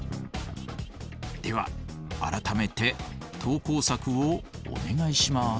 では改めて投稿作をお願いします。